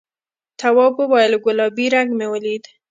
تواب وویل گلابي رنګ مې ولید.